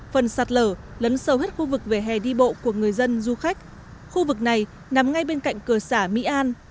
phần sạt lở lấn sâu hết khu vực vỉa hè đi bộ của người dân du khách khu vực này nằm ngay bên cạnh cửa xã mỹ an